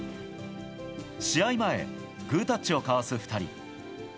試合前、グータッチを交わす２人。